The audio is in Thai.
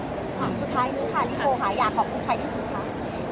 ความสุดท้ายนี้ค่ะนิโคค่ะอยากขอบคุณใครดีกว่าคะ